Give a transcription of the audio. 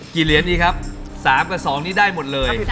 เหรียญดีครับ๓กับ๒นี้ได้หมดเลย